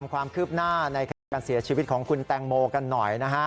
ความคืบหน้าในคดีการเสียชีวิตของคุณแตงโมกันหน่อยนะฮะ